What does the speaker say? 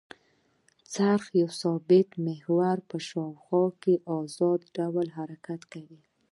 څرخ د یوه ثابت محور په شاوخوا ازاد ډول حرکت کوي.